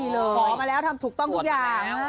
ขอมาแล้วทำถูกต้องทุกอย่าง